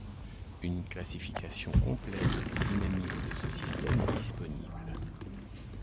Une classification complète des dynamiques de ce système est disponible.